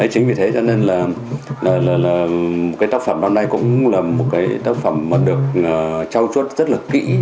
chính vì thế cho nên là cái tác phẩm năm nay cũng là một cái tác phẩm mà được trao chuốt rất là kỹ